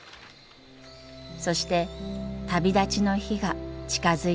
そして旅立ちの日が近づいてきました。